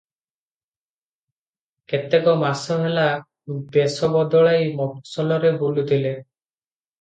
କେତେକ ମାସ ହେଲା ବେଶ ବଦଳାଇ ମଫସଲରେ ବୁଲୁଥିଲେ ।